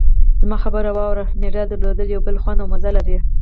زما خبره واوره! مډال درلودل یو بېل خوند او مزه لري.